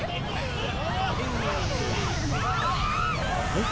えっ？